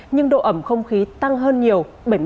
nhưng độ ẩm không khí tăng hơn nhiều bảy mươi năm